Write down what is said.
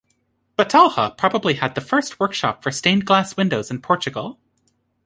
Batalha probably had the first workshop for stained-glass windows in Portugal.